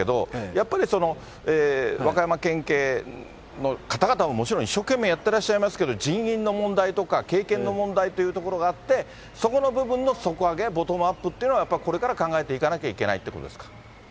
やっぱり和歌山県警の方々ももちろん一生懸命やってらっしゃいますけれども、人員の問題とか、経験の問題というところがあって、そこの部分の底上げやボトムアップというのは、やっぱりこれから考えていかなきゃいけないということですか。